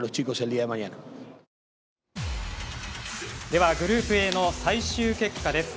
ではグループＡの最終結果です。